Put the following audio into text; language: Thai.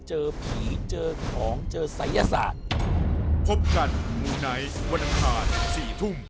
เจอผีเจอของเจอศัยศาสตร์